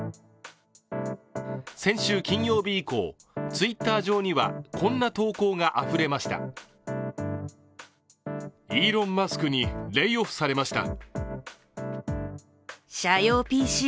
先週金曜日以降、ツイッター上にはこんな投稿があふれました。